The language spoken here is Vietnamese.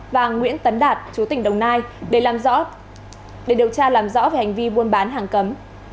và nguyễn tấn đạt chú tỉnh đồng nai để điều tra làm rõ về hành vi buôn bán hàng cấm